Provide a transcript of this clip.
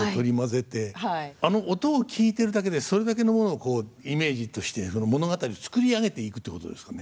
あの音を聴いてるだけでそれだけのものがイメージとしてその物語を作り上げていくってことですかね。